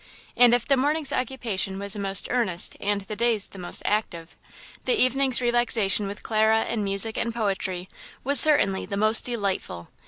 And if the morning's occupation was the most earnest and the day's the most active, the evening's relaxation with Clara and music and poetry was certainly the most delightful!